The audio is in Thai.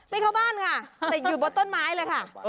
ไม่เข้าบ้านค่ะแต่อยู่บนต้นไม้เลยค่ะ